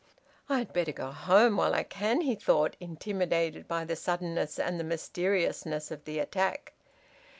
"I'd better go home while I can," he thought, intimidated by the suddenness and the mysteriousness of the attack.